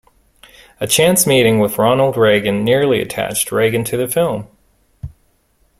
A chance meeting with Ronald Reagan nearly attached Reagan to the film.